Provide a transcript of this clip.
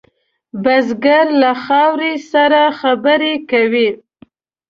بزګر له خاورې سره خبرې کوي